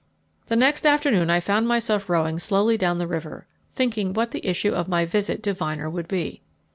The next afternoon I found myself rowing slowly down the river, thinking what the issue of my visit to Vyner would be.